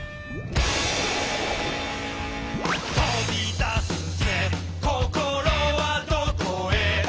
「飛び出すぜ心はどこへ」